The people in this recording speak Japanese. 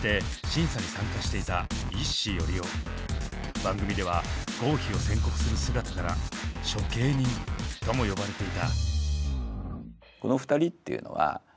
番組では合否を宣告する姿から「処刑人」とも呼ばれていた。